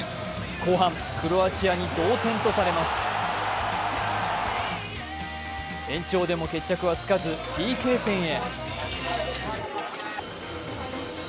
後半、クロアチアに同点とされます延長でも決着はつかず、ＰＫ戦へ。